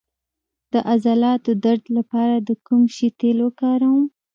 د عضلاتو درد لپاره د کوم شي تېل وکاروم؟